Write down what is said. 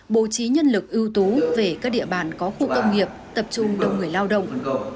bố trí nhân lực ưu tú về các địa bàn có khu công nghiệp tập trung đông người lao động